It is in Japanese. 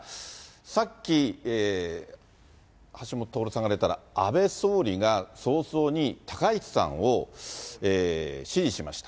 さっき橋下徹さんから出た、安倍総理が早々に高市さんを支持しました。